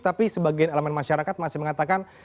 tapi sebagian elemen masyarakat masih mengatakan